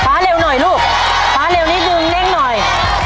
เร็วหน่อยลูกฟ้าเร็วนิดนึงเร่งหน่อย